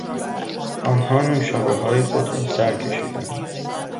آنها نوشابههای خود را سرکشیدند.